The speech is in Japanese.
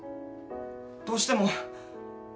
どうしても。